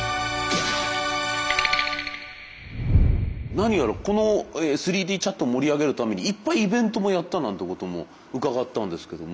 何やらこの３Ｄチャットを盛り上げるためにいっぱいイベントもやったなんてことも伺ったんですけども。